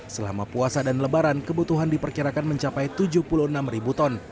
selama puasa dan lebaran kebutuhan diperkirakan mencapai tujuh puluh enam ribu ton